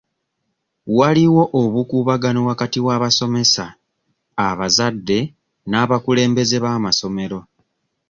Waliwo obukuubagano wakati w'abasomesa, abazadde n'abakulembeze b'amasomero.